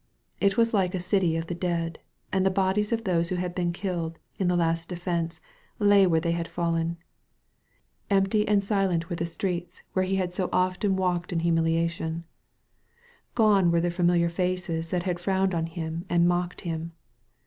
It was like a city of the dead, and the bodies of those who had been killed in the last defense, lay where they had fallen. Empty and silent were the 84 ASHES OF VENGEANCE streets where he had so often walked in humiliation. Gone were the familiar faces that had frowned on him and mocked him.